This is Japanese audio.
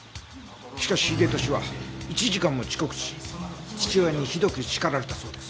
しかし英利は１時間も遅刻し父親にひどく叱られたそうです。